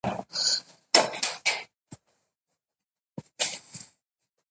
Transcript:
سیاسي عدالت بې پرې تطبیق غواړي